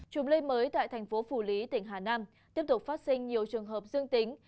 trục lây mới tại thành phố phủ lý tỉnh hà nam tiếp tục phát sinh nhiều trường hợp dương tính